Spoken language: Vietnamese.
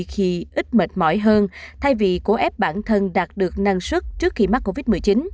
khi ít mệt mỏi hơn thay vì cố ép bản thân đạt được năng suất trước khi mắc covid một mươi chín